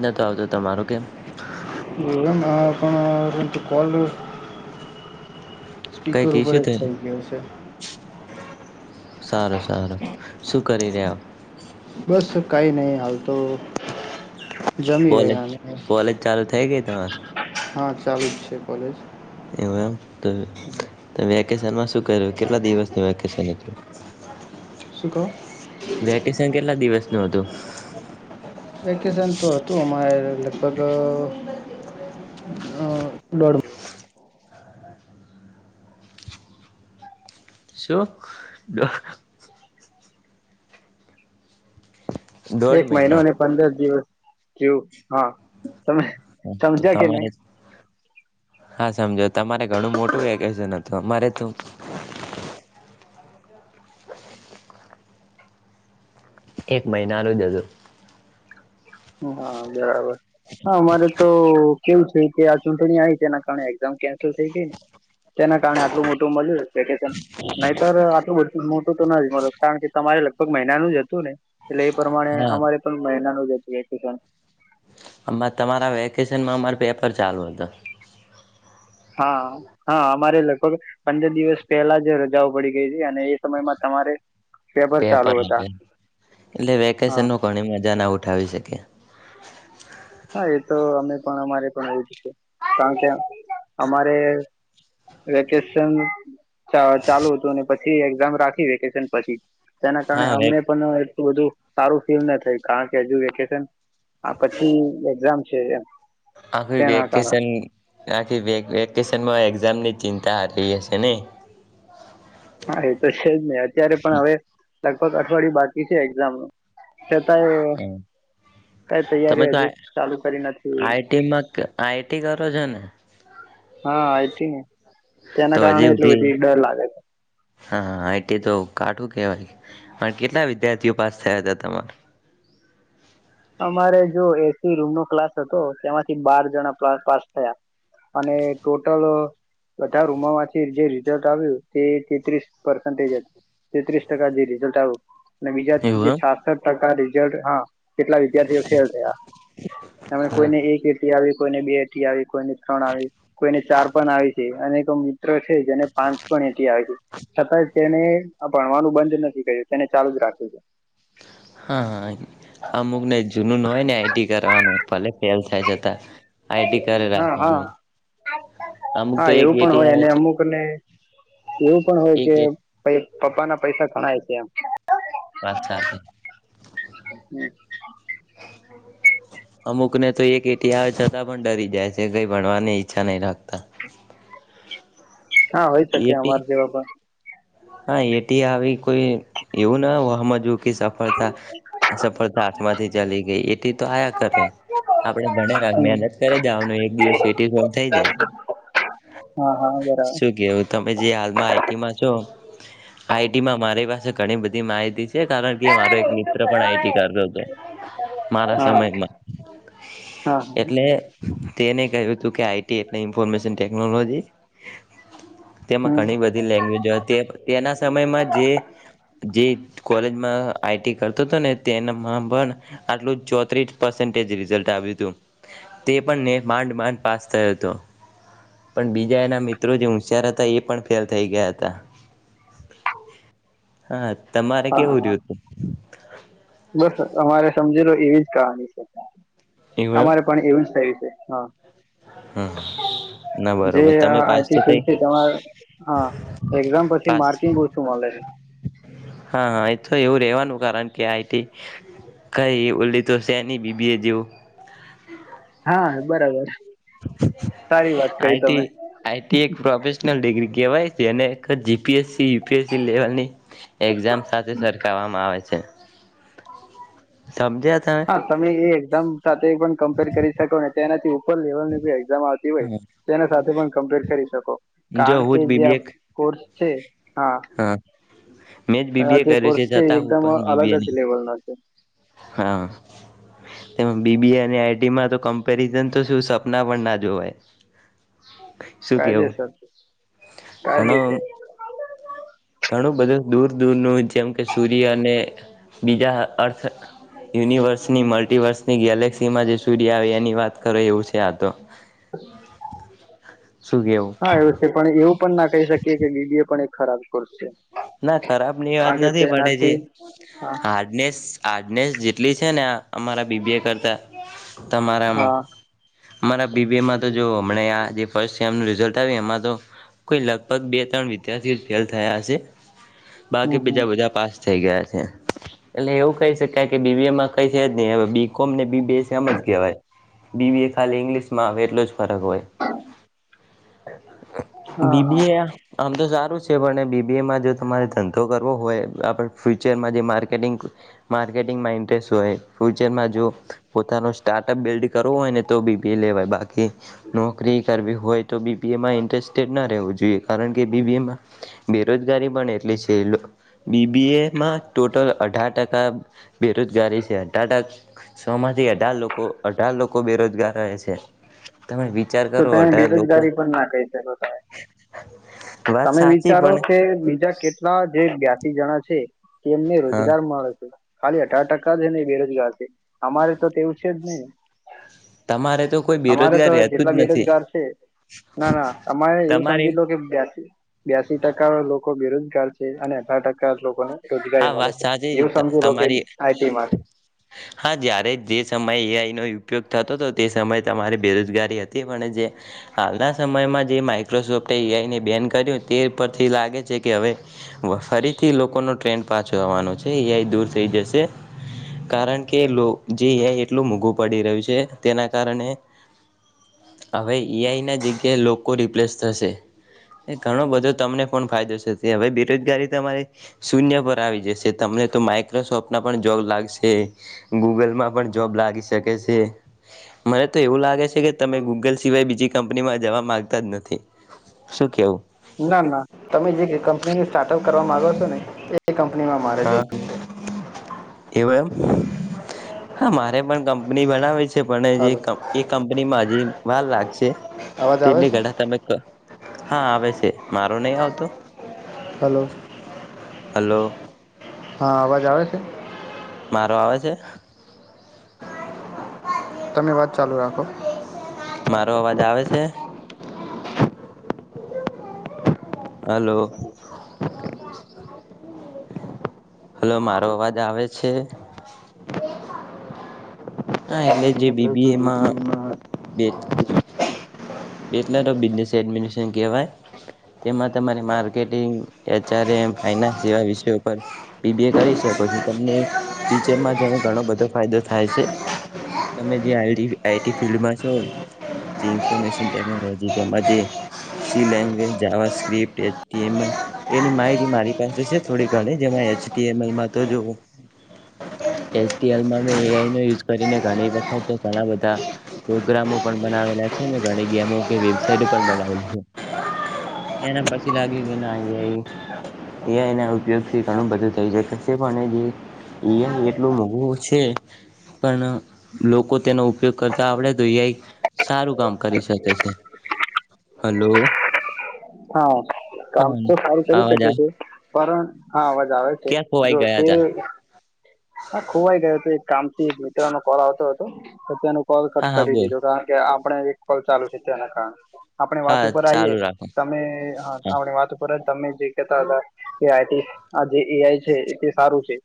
ન તો આવતો તમારો કેમ? [inaudible] સ્પીકર કઈક ઉપર ઇસ્યુ જ થઈ ગયો છે સારું સારું સુ કરી રહ્યા બસ કઈ નહી હાલ તો જમી કોલેજ રહ્યા અને કોલેજ ચાલુ થઈ ગઈ તમારી. હા ચાલુ જ છે કોલેજ. એવું એમ. તો વેકેશનમાં શું કર્યું કેટલા કેટલા દિવસનું વેકેશન હતું શું કહો વેકેશન કેટલા દિવસનું હતું. વેકેશન તો હતું અમારે લગભગ અ અ દોઢ શું અહ. એક મહિનો અને પંદર દિવસ. કેવું. હા તમે હા, તો સમજ્યા કે તમારે ની. હા સમજો તમારે ઘણું મોટું વેકેશન હતું અમારે તો એક મહિનાનું જ હ હતું. હા બરાબર. હ અમારે તો કેવું છે કે આ ચૂંટણી આવી તેના કારણે એક્ઝામ કેન્સલ થઈ ગઈ ને તેના કારણે આટલું મોટું મળ્યું. વેકેશન નહિતર આટલું બધું મોટ તો તો નઇ મળ કારણ કે તમારે લગ લગભગ મહિનાનું જ હતું ને એટલે એ પ્રમાણે હા અમારે પણ મહિનાનું [inaudible] એશન. આમાં તમારા વેકેશનમાં અમાર પેપર ચાલુ હતા. હા હા અમારે લગભગ પંદર દિવસ પહેલા જ રજાઓ પડી ગઈ છે અને એ સમયમાં તમારે પેપર ચાલુ હતા એટલે વેકેશન હા નું ઘણી મજા ના ઉઠ થવી શકે. હા એ તો અમે પણ અમારે પણ એવું જ છે કારણ કે અમારે વેકેશન ચા ચાલુ હતું અને પછી એક્ઝામ રાખી વેકેશન પછી. તેના કારણે હા વે અમને પણ એ બધું સારું ફીલ ના થાય કારણ કે હજુ વેકેશન આ પછી એક્ઝામ છે એમ. આખી તેના કારણે વેકેશન આખી વેક વેકેશ વેકેશન મા એક્ઝામની ચિતા આપી હશેને. હા, એ તો છે જ નહી અત્યારે પણ હવે. લગભગ અઠવાડયું બાકી છે, એક્ઝામ ને તમે તૈયારી તો હજુ આ ચાલુ કરી નથી આઈઈટીમાં ક આઈઈટી કરો છો ને? [unintelligible] હા આઈટીને. તો હજી સુધી છે હ હ આઈટી તો કાટું કેહેવાય પણ કેટલા વિદ્યાર્થીઓ પાસ થયા હતા તમારે? અમારે જો એસી રૂમ નો ક્લાસ હતો તેમાંથી બાર જણા પાસ થયા, અને ટોટલ બધા રૂમોમાંથી જે રિઝલ્ટ આવ્યું તે તેત્રીસ પર્સેજ હત તેત્રીસ ટકા જે રિઝલ્ટ આવ્યું અને બીજા એવું જે એમ? છાસઠ ટકા રિઝલ્ટ હા કેટલા વિદ્યાર્થીઓ ફેલ થયા, અમે કોઈને એક રી આવી કોઈને બે અઠી આવી કોઈને ત્રણ આવી કોઈને ચાર પણ આવી છે, અને છે જેને પાંચ પણ એથી આવે છે, છતા તેને ભણવાનું બંધ નથી કર્યું તેને ચાલુ જ રાખ્યું છે. હા હા અમુક ને જૂનું ન હોય ને આઈટી કરવાનું ભલે ફેલ થાય, જતા છે આઈટી કરી હા હા રાખવાનું અમુક હા તો એવું પણ એકટી હોય આવે અને છે, અમુક [unintelligible] એવું પણ હોય કે એક એટ પ પપ્પા ના પૈસા ઘણાાય તમ વાત ચાસી હમ્મ અમુકને તો એક એટી આવે છતાં પણ ડરી જાય છે, કઈ ભણવાની ઈચ્છા નહી રાખતા. હા, હોય શકે એટી અમાર જેવા પણ હા, એટી આવી કોઈ એવું ના હોમાંજવુ સફળતા અ સફળતા આથમાંથી ચાલી ગઈ એટી તો આયા કરે આપડ ભણે રા હમ મહેનત કરે દઓ એક દિવસ એો થઈ જાય, હા હા બરાબર શું કેવું તમે જે હાલમાં આઈટીમાં છો આઈટીમાં મારી પાસે ઘણી બધી માહિતી છે. કારણ કે હા હા મારો એક મિત્ર પણ આઈટી કરતો હતો, મારા સમયમાં એટલે તેને કહ્યું હતું કે આઈટી એટલે ઇન્ફોર્મેશન ટેકનોલોજી તેમાં હમ ઘણી બધી લેંગ્વેજ હોય તે ના સમયમાં જે કોલેજમાં આઈટી કરતો હતો, ને તેનામાં પણ આટલું ચોત્રીસ પ રઝલ્ટ આવ્યું હતું તે પણ માંડ માંડ પાસ થયો હતો, પણ એના મિત્રો જે હોુશયાર હતા એ પણ ફેલ થઈ ગયા હતા. કત્તા હ તમારકે હા ઉ હા રયુ બસ અમારે સમજી લો એવી જ કહાની છે, હતું એવું અમારે પણ એવું જ થયું છે. હા એમ હા ના જે બરોબર તમે આ પાસ તો થઈ ફ હા એક્ઝામ પછી પાસ માર્કિંગ ઓછું મળે હા હા એ તો એવું રવાનું કારણ કે આઈટી કઈ ઓલી તો છેેની બીબી એ જેવું હા બરાબર સારી વાત કરી આઈટી તમે આઈટી એક પ્રોફેશનલ ડિગ્રી કહેવાય એના જીપએસસી યુીએસસી લેવલની એક્ઝામ સાથે સરખવામાં આવે છે હા તમે એ જ એકદમ સાથે પણ કમ્પેર કરી શકો ને તેનાથી ઉપર લેવલ એકજામ આવતી હોય તેની સાથે પણ કમ્પ્લીટ કરી શકો જો કારણ હું કે જ જે બીબીએ કોર્સ છે હા મેં જ આ બીબીએ જે કર્યું કોર્સ છે એ છતાં હું એકદમ પણ અલગ બીબીએ જ લેવલનો છે હા તે બીબીએ અને આઈટીમાં તો કમ્પેરઝન તો શું સપના પણ ના જોવાય શું કાય કેવું દસ કાય ઘણો દ છે ઘણું બધું દૂર દૂરનું જેમ કે સૂર્ય અને બીજા અર્થ યુનિવર્સની મલ્ટીવર્સની ગેલેક્સીમાં જે સૂર્ય આવે એની વાત કરો એવું છે આ તો શું કેવું હા એવું છે પણ એવું પણ ના કહી શકીએ કે દીદી એ પણ ખરાબ છે કોર્સ ના ખરાબ ની વાત કારણ કે નથી પણ જે તેનાથી હા હારડને હાર્ડનેસ જે એટલી છે ને આ અમારા બીબીએ કરતાં તમારામાં હા અમારા બીબી એમાં તો જો હમ આ ફસ રિઝલ્ટ આવ્યું એમાં તો કોઈ લગભગ બે ત્રણ વિદ્યાર્થીઓ ફેલ થયા હશે છે [unintelligible] હમ બાકી હમ બીજા બધા પાસ થઈ ગયા છે એટલે એવું કહી શકાય કે બીબી એમાં કઈ છે જ નહી હવે બી કોમને બીબી એજ કહેવાય બીબી એ ખાલી ઈંગ્લિશ માં આવે એટલો જ ફરક હોય હા હા બીબી એ આમ તો સારું છે પણ બી બીબી જો તમારે ધંધો કરવો હોય આપ ફ્યુચરમાં જે માર્કેટિંગ માકેટિગમાં ઇન્ટરેસ્ટ હોય ફ્યુચરમાં જો પોતાનું સ્ટાર્ટઅપ બિલ્ડ કરવુ હોય ને તો બીપીએ લેવાય બાકી બાકી નોકરી કરવી હોય તો બીપીએમાં ઇન્ટરેસ્ટેડ ના રહેવું જોઈએ જોઈએ કારણ કે બીબીએમાં બેરોજગારી પણ એટલી છે બીબી એમાં ટોટલ અઢાર ટકા બેરોજગારી છે અઢાર ટકા સોમાંથી અઢાર લોકો અઢાર લોકો બેરોજગાર છે, તમે વિચાર તો કરો તમે અઢાર લોકો બેરોજગારી પણ ના કહી શકો તમે બત તમે સાત વિચારો છે, બીજા કેટલા જે જે બ્યાતિ જણા છે, કે એમને હા રોજગાર મળે છે, ખાલી અઢાર ટકા જ નને બેરોજગાર છે, અમારે તો તે એવું છે, જ નહી તમારે તો કોઈ અમારે બેરોજગાર તો રહેતું જેટલા જ નથી બેરોજગાર છે, ના ના તમારે એવું તમારી સમજી લો કે બે્યાસી બ્યાસી ટકા લોકો બેરોજગાર છે, અને અઢાર ટકા લોકોને રોજગારી હા, મળે વાત છે સાચ એવું સમજી લો કે તમારી આઈટી માટે હા જ્યારે દ એઆઈનો ઉપયોગ થતો હતો તે સમયે તમારી બેરોજગારી હતી, પણ જે હાલના સમયમાં જે માઈક્રોસોફ્ટ એઆઈને બેન કર્યું તે પરથી લાગે છે, કે હવે ફરીથી લોકોનો ટ્રેન્ડ એઆઈ દૂર થઈ જશે કારણ કે જે એઆઈ એટલું મોઘું પડી રહ્યું છે, તેના કારણે હવે એઆઈ ના જગ્યાએ લોકો રિપ્લેસ થશે, ઘણો બધો તમને પણ ફાયદો થ હવે બેરોજગારી તમારી શૂન્ય પર આવી જશે તમને તો માઈક્રોસોફ્ટમાં પણ જોબ લાગશે, ગૂગલમાં પણ જોબ લાગી શકે છે, મને તો એવું લાગે છે, કે તમે ગૂગલ સિવાય બીજી કંપનીમાં જવા માંગતા જ નથી. શું કેવું ના ના તમે જે કંપની ન સ્ટાર્ટઅપ, કરવા માંગો છો, ને એકમ કણીમાં મારે જો છે. એવ એમ હા, મારે પણ કંપની બનાવે છે. તે પણણે જે હલો કં એ કંપનીમાં જે ભા લાગશે, અવાજ આવે તેને છે ગડા તાનક હા, આવે છે. મારું નહ આવતું હલો હલોો હા અવાજ આવે છે? મારો આવે છે. તમે વાત ચાલુ રાખો મારો અવાજ આવે છે? હલોો હલો મારો અવાજ આવે છે? હા, એટલે જે બીબી એમાં બે બ એ કવાય તેમાં તમારે માર્કેટિંગ એચઆ ફનાન્સ જેવા વિષ પર બીબી એ કરી શકો છો, તમને ફ્યુચરમાં ઘણો બધો ફાયદો થાય છે, તમે જેઈ ફિલ્ડમાં છો, હા જે ઇફોર્મેશન ટેનોલોજી જેમાં સી લેંગજ આવા સ્ક્રિપ્ટ એ એની માહિતી મારી પાસે છે, થોડી ઘણી જેમાં એચલમાં તોલમાં યુ કરીને ઘણી વખત ઘણા બધા પ્રોગ્રામો પણ બનાવેલા છે, મેણી ગમો કે વેબસાઇટ પણ બનાવેલી છે, એના પછી લાગ્યું કે નાઆઈઆઈ ના ઉપયોગ થી ઘણું બધું થઈ શકે છે, પણ જેઆઈ એટલું મોઘું છે, પણ લોકો તેનો ઉપયોગ કરતા આવડે તો ઈઆઈ સારું કામ કરી શકે. હલો કામ હા તો સાામ કરી અવાજ શકે આ છે, પર હા, અવાજ આવે છે, ક્યાં ખોવાઈ જો ગયા તે તા હા ખોવાઈ ગયો હતો. કામથી એક મિત્રનો કોલ આવતો હતો તો તેનો કોલ કટ હા હા કરી બોલ દીધો કારણ કે આપણે એક કોલ ચાલુ છે તેના કારણે આપણે વાત હા ઉપર આવીએ ચાલુ રાખો તમે હા હા આપણી વાત ઉપર જ તમે જે કહેતા હતા કે આઈટી આ જે એઆઈ છે તે સારું છે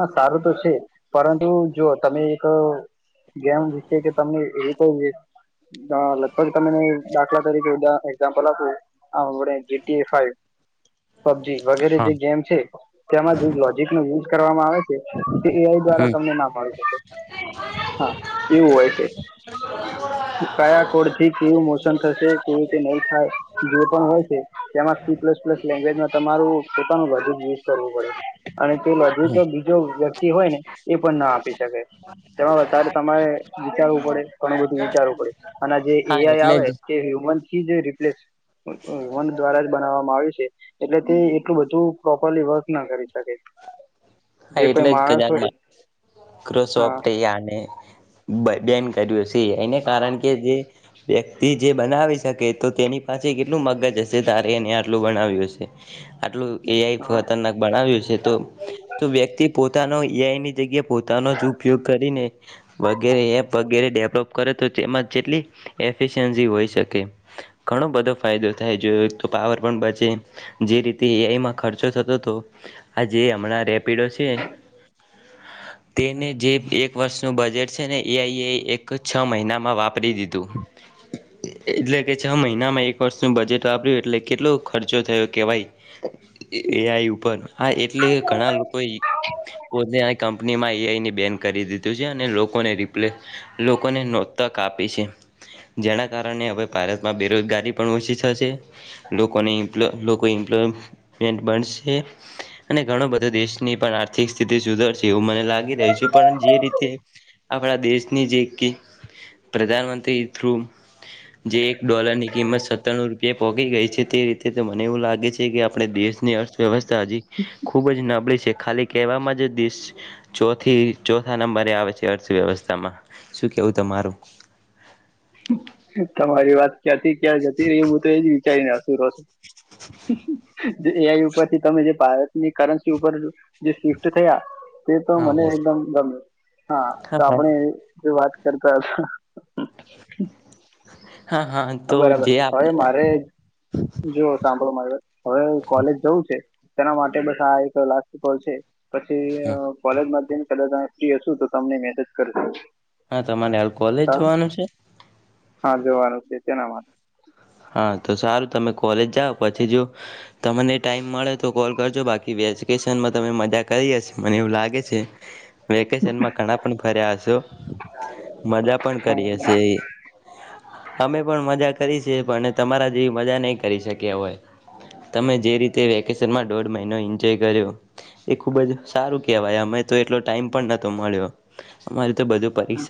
હા સારું તો છે પરંતુ જો તમે એક ગેમ વિશે કે તમને એવી કોઈ અ લગભગ તમને દાખલા તરીકે ઉદા એક્ઝામ્પલ આપું આપણે જીટીએ ફાઈવ પબજી વગેરે હા જે ગેમ છે તેમાં જે લોજિક નો યુઝ કરવામાં આવે છે તે એઆઈ દ્વારા હમ તમને ના મળી શકે હા એવું હોય છે કયા કોડથી કયું મોશન થશે કેવી રીતે નહીં થાય જે પણ હોય છે તેમાં સી પ્લસ પ્લસ લેંગ્વેજમાં તમારું પોતાનું લોજિક યુઝ કરવું પડે અને તે લોજિક બીજો વ્યક્તિ હોય ને એ પણ ના આપી શકે તેમાં વધારે તમારે વિચારવું પડે ઘણું બધું વિચારવું પડે અને જે હા એઆઈ એટલે આવે જ તે હ્યુમનથી જ રિપ્લેસ વન દ્વારા જ બનાવવામાં આવ્યું છે એટલે તે એટલું બધું પ્રોપરલી વર્ક ના કરી શકે હા જે કોઈ એટલે જ માણસ કદાચ હોય મા માઇક્રોસોફ્ટ હા એ આને બેન કર્યું છે એને કારણ કે જે વ્યક્તિ જે બનાવી શકે તો તેની પાસે કેટલું મગજ હશે તારે એને આટલું બનાવ્યું હશે આટલું એઆઈ હા ખતરનાક બનાવ્યું છે તો તો વ્યક્તિ પોતાનો એઆઈની જગ્યાએ પોતાનો જ ઉપયોગ કરીને વગેરે એપ વગેરે ડેવલપ કરે તો તેમાં જેટલી એફિશિયન્સી હોઈ શકે ઘણો બધો ફાયદો થાય જો તો પાવર પણ બચે જે રીતે એઆઈમાં ખર્ચો થતો હતો આ જે હમણાં રેપિડો છે તેને જે એક વર્ષનું બજેટ છે ને એ આઈએ એક છ મહિનામાં વાપરી દીધું એટલે કે છ મહિનામાં એક વર્ષનું બજેટ વાપર્યું એટલે કેટલો ખર્ચો થયો કેવાય એઆઈ ઉપર હા એટલે ઘણા લોકો પોતે આ કંપનીમાં એઆઈને બેન કરી દીધું છે અને લોકોને રિપ્લે લોકોને નો તક આપી છે જેના કારણે હવે ભારતમાં બેરોજગારી પણ ઓછી થશે લોકોને ઇમ્પ્લો લોકો ઇમ્પ્લોયમેન્ટ બનશે અને ઘણો બધો દેશની પણ આર્થિક સ્થિતિ સુધરશે એવું મને લાગી રહ્યું છે પણ જે રીતે આપણા દેશની જે કે પ્રધાનમંત્રી થ્રુ જે એક ડોલરની કિંમત સત્તાણું રૂપિયા પહોંચી ગઈ છે તે રીતે તો મને એવું લાગે છે કે આપણે દેશની અર્થવ્યવસ્થા હજી ખૂબ જ નબળી છે ખાલી કહેવામાં જ દેશ ચોથી ચોથા નંબરે આવે છે અર્થવ્યવસ્થામાં શું કેવું તમારું તમારી વાત ક્યાંથી ક્યાં જતી રહી હું તો એ જ વિચારીને અસુરો છું જે એઆઈ ઉપરથી તમે જે ભારતની કરન્સી ઉપર જે શિફ્ટ થયા તે તો હા મને એકદમ ગમે હા તો હા હા આપણે જે વાત કરતા હતા હા હા તો બરાબર જે હવે આપણે મારે જો સાંભળો મારી વાત હવે કોલેજ જવું છે તેના માટે બસ આ એક લાસ્ટ કોલ છે પછી હા કોલેજમાં જઈને કદાચ તમે ફ્રી હશો તો તમને મેસેજ કરજો હા તમારે હાલ કોલેજ જવાનું છે હા જવાનું છે તેના માટે હા તો સારું તમે કોલેજ જાઓ પછી જો તમને ટાઈમ મળે તો કોલ કરજો બાકી વેકેશનમાં તમે મજા કરી હશે મને એવું લાગે છે વેકેશનમાં ઘણા પણ ફર્યા હશો મજા પણ કરી હા હશે અમે પણ મજા કરી છે પણ તમારા જેવી મજા નહીં કરી શક્યા હોય તમે જે રીતે વેકેશનમાં દોઢ મહિનો એન્જોય કર્યો એ ખૂબ જ સારું કહેવાય અમે તો એટલો ટાઈમ પણ નહોતો મળ્યો અમારે તો બધું પરીક્ષા